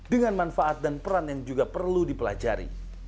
dengan manfaat dan peran yang juga perlu dipelajari